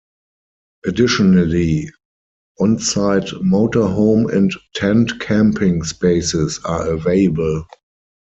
Additionally, on-site motor home and tent camping spaces are available.